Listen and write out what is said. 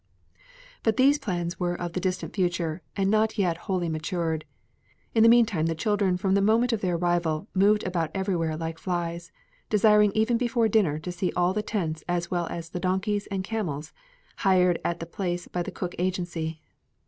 But these were plans of the distant future and not yet wholly matured. In the meantime the children from the moment of their arrival moved about everywhere like flies, desiring even before dinner to see all the tents as well as the donkeys and camels hired at the place by the Cook Agency.